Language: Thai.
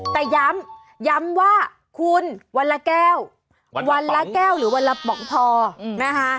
แต่ย้ำย้ำว่าคุณวันละแก้ววันละแก้วหรือวันละป๋องพอนะคะ